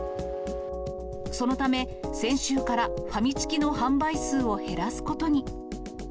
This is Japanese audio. そのため、先週から、ファミチキの販売数を減らすことに。